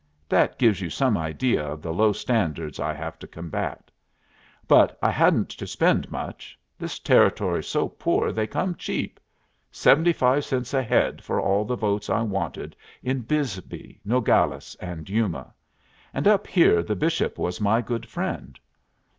That gives you some idea of the low standards I have to combat. But I hadn't to spend much. This Territory's so poor they come cheap. Seventy five cents a head for all the votes I wanted in Bisbee, Nogales, and Yuma; and up here the Bishop was my good friend.